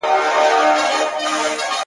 ما په هينداره کي تصوير ته روح پوکلی نه وو